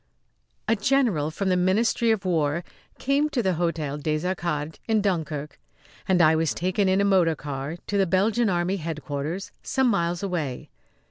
A general from the Ministry of War came to the Hôtel des Arcades, in Dunkirk, and I was taken in a motor car to the Belgian Army headquarters some miles away.